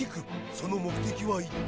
その目的は一体。